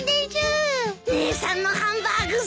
姉さんのハンバーグ最高！